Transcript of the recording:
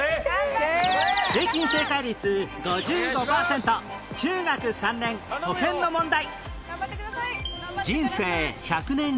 平均正解率５５パーセント中学３年保健の問題